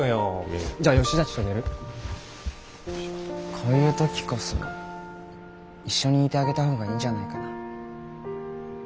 こういう時こそ一緒にいてあげた方がいいんじゃないかな。